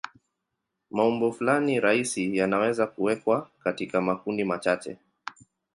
Maumbo fulani rahisi yanaweza kuwekwa katika makundi machache.